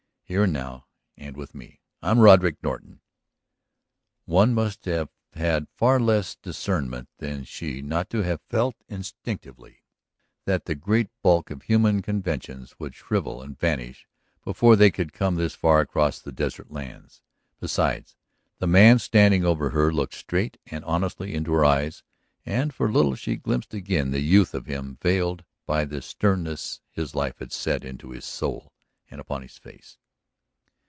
Here and now and with me? I'm Roderick Norton." One must have had far less discernment than she not to have felt instinctively that the great bulk of human conventions would shrivel and vanish before they could come this far across the desert lands. Besides, the man standing over her looked straight and honestly into her eyes and for a little she glimpsed again the youth of him veiled by the sternness his life had set into his soul and upon his face.